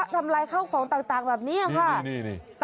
ทำลายข้าวของต่างแบบนี้ค่ะ